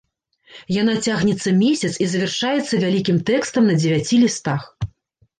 Яна цягнецца месяц і завяршаецца вялікім тэкстам на дзевяці лістах.